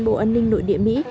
bộ an ninh nội địa mỹ